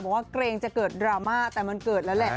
บอกว่าเกรงจะเกิดอุปชาติแต่มันเกิดแล้วแหละ